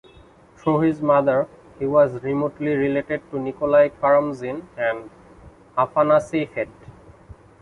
Through his mother, he was remotely related to Nikolai Karamzin and Afanasy Fet.